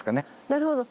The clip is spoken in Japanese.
なるほど。